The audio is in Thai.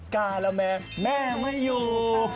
กล้าแล้วแม่แม่ไม่อยู่